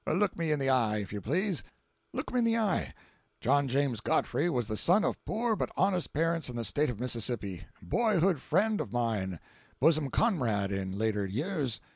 Look me in the eye, if you please; look me in the eye. John James Godfrey was the son of poor but honest parents in the State of Mississippi—boyhood friend of mine—bosom comrade in later years.